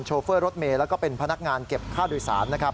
โชเฟอร์รถเมย์และเป็นพนักงานเก็บข้าวโดยสาร